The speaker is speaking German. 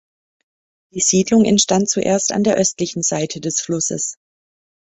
Die Siedlung entstand zuerst an der östlichen Seite des Flusses.